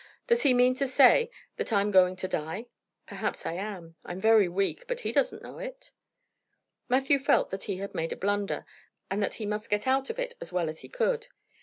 Does he mean to say that I'm going to die? Perhaps I am. I'm very weak, but he doesn't know it." Matthew felt that he had made a blunder, and that he must get out of it as well as he could.